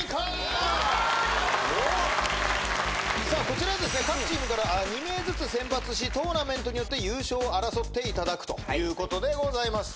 こちら各チームから２名ずつ選抜しトーナメントによって優勝を争っていただくということでございます。